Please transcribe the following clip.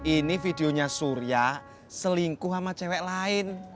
ini videonya surya selingkuh sama cewek lain